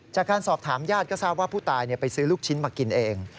จากการสอบถามญาติก็ทราบว่าผู้ตายไปซื้อลูกชิ้นมากินเอง